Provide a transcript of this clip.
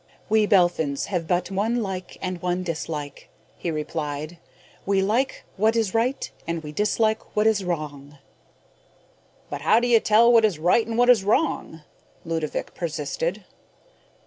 "We Belphins have but one like and one dislike," he replied. "We like what is right and we dislike what is wrong." "But how can you tell what is right and what is wrong?" Ludovick persisted.